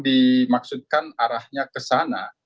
dimaksudkan arahnya ke sana